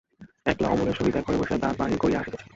একলা অমলের সহিত একঘরে বসিয়া দাঁত বাহির করিয়া হাসিতেছে।